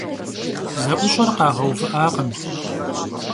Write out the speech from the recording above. Ze'uş'er khağeuvı'akhım.